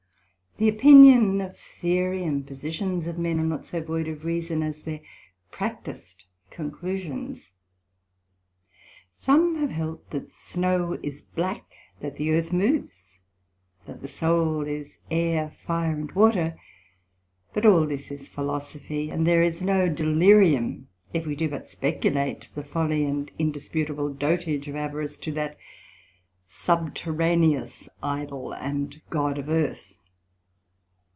The opinion of Theory, and positions of men, are not so void of reason as their practised conclusions: some have held that Snow is black, that the earth moves, that the Soul is air, fire, water; but all this is Philosophy, and there is no delirium, if we do but speculate the folly and indisputable dotage of avarice, to that subterraneous Idol, and God of the Earth.